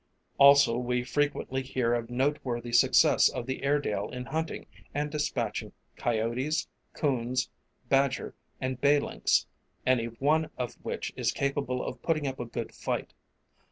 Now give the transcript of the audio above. Also we frequently hear of noteworthy success of the Airedale in hunting and dispatching coyotes, coons, badger and bay lynx, any one of which is capable of putting up a good fight.